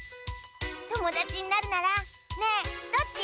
ともだちになるならねえどっち？